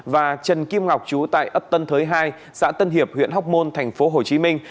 và trần kim ngọc chú tại ấp tân thới hai xã tân hiệp huyện học môn thành phố hồ chí minh